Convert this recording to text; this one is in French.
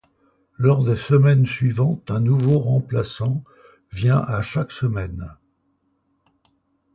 Lors des semaines suivantes, un nouveau remplaçant vient à chaque semaine.